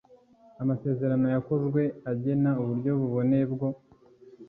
amasezerano yakozwe agena uburyo buboneye bwo